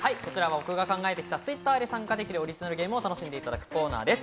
僕が考えてきた、Ｔｗｉｔｔｅｒで参加できるオリジナルゲームを楽しんでいただくコーナーです。